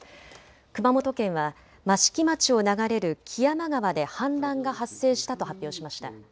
熊本県は益城町を流れる木山川で氾濫が発生したと発表しました。